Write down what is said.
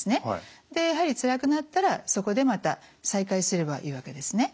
でやはりつらくなったらそこでまた再開すればいいわけですね。